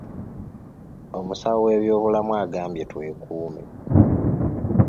Omusawo w’ebyobulamu agambye twekuume.